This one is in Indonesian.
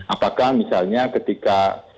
apakah misalnya ketika